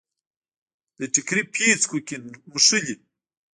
د ټیکري پیڅکو کې نښلي